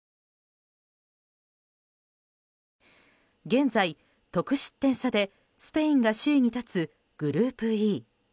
現在、得失点差でスペインが首位に立つグループＥ。